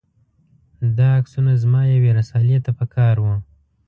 دا عکسونه زما یوې رسالې ته په کار و.